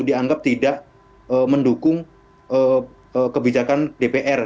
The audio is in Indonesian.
dianggap tidak mendukung kebijakan dpr